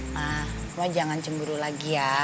nah cuma jangan cemburu lagi ya